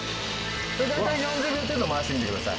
大体４０秒程度回してみてください。